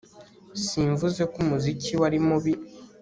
Simvuze ko umuziki we ari mubi